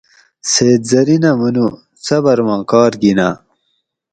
"سید زرینہ منو ""صبر ما کار گیناۤ"